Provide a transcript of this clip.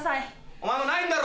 お前もないんだろ？